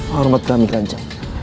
hormat kami kanjeng